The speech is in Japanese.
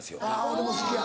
俺も好きや。